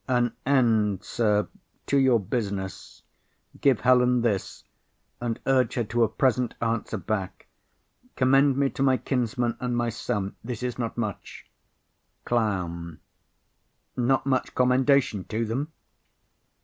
An end, sir! To your business. Give Helen this, And urge her to a present answer back. Commend me to my kinsmen and my son. This is not much. CLOWN. Not much commendation to them?